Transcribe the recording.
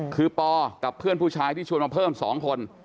คือปอกับเพื่อนผู้ชายที่ชวนมาเพิ่ม๒คน